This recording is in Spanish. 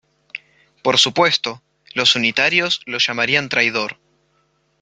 Por supuesto, los unitarios lo llamarían traidor.